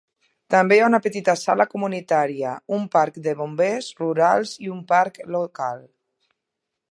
També hi ha una petita sala comunitària, un parc de bombers rurals i un parc local.